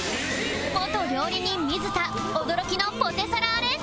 元料理人水田驚きのポテサラアレンジ！